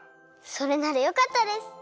それならよかったです。